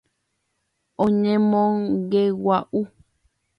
Oñemongegua'u.